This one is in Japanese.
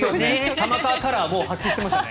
玉川カラーもう発揮していましたね。